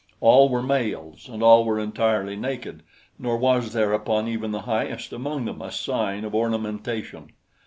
All were males, and all were entirely naked; nor was there upon even the highest among them a sign of ornamentation.